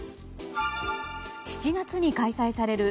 ７月に開催される